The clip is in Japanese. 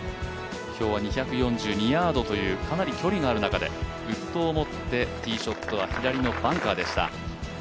今日は２４２ヤードというかなり距離がある中でウッドを持ってティーショットは左のバンカーでした。